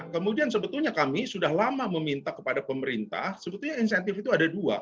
kemudian sebetulnya kami sudah lama meminta kepada pemerintah sebetulnya insentif itu ada dua